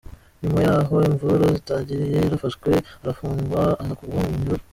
Nyuma y’aho imvururu zitangiriye yarafashwe arafungwa aza kugwa mu munyururu.